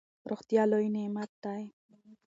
روغتیا لوی نعمت دئ.